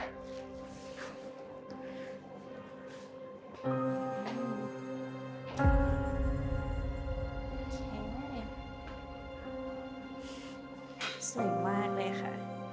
สูงมากเลยค่ะ